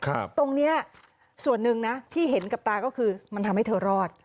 ตรงเนี้ยส่วนหนึ่งนะที่เห็นกับตาก็คือมันทำให้เธอรอด